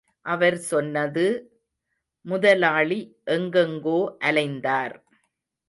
அவர் சொன்னது— முதலாளி எங்கெங்கோ அலைந்தார்.